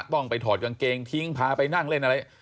ต้องไปถอดกางเกงทิ้งพาไปนั่งเล่นอะไร